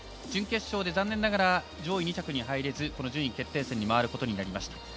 準決勝で残念ながら上位２着に入れず順位決定戦に回ることになりました。